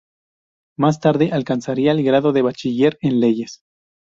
Más tarde alcanzaría el grado de bachiller en Leyes.